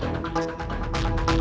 gue gak ada kuncinya